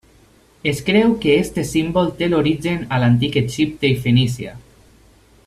Es creu que d'aquest símbol té l'origen a l'antic Egipte i Fenícia.